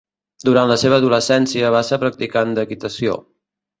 Durant la seva adolescència va ser practicant d'equitació.